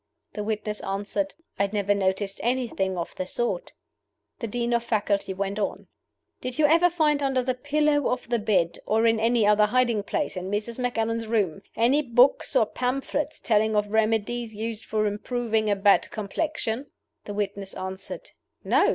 The witness answered, "I never noticed anything of the sort." The Dean of Faculty went on: "Did you ever find under the pillow of the bed, or in any other hiding place in Mrs. Macallan's room, any books or pamphlets telling of remedies used for improving a bad complexion?" The witness answered, "No."